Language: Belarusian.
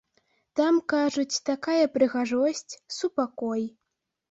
Там, кажуць, такая прыгажосць, супакой.